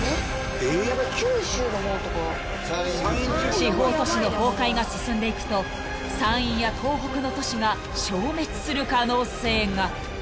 ［地方都市の崩壊が進んでいくと山陰や東北の都市が消滅する可能性が］